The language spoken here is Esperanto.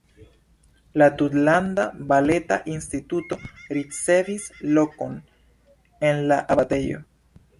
La Tutlanda Baleta Instituto ricevis lokon en la abatejo.